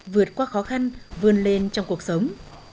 vượt qua khó khăn vươn lên trong cuộc sống